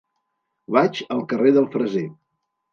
Vaig al carrer del Freser.